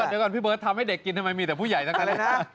เดี๋ยวก่อนพี่เบิร์ตทำให้เด็กกินทำไมมีแต่ผู้ใหญ่ทั้งนั้นเลยนะ